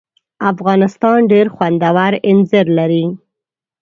افغانستان ډېر خوندور اینځر لري.